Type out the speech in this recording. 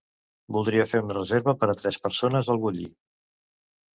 Voldria fer una reserva per a tres persones al Bulli.